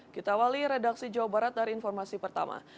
kita awali redaksi jawa barat dari informasi pertama